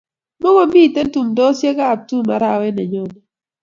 Mukumito tumdosiekab tum arawet ne nyone